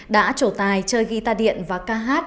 đã trổ tài chơi guitar điện và ca hát